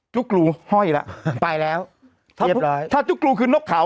ุ๊กรูห้อยแล้วไปแล้วเรียบร้อยถ้าจุ๊กรูคือนกเขา